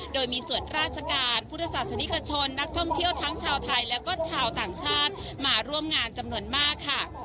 โดยมีส่วนราชการพุทธศาสนิกชนนักท่องเที่ยวทั้งชาวไทยและก็ชาวต่างชาติมาร่วมงานจำนวนมากค่ะ